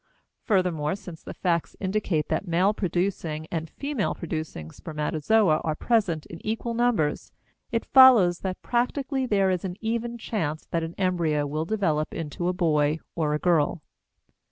Furthermore, since the facts indicate that male producing and female producing spermatozoa are present in equal numbers, it follows that practically there is an even chance that an embryo will develop into a boy or a girl.